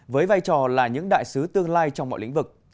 với vai trò là những đại sứ tương lai trong mọi lĩnh vực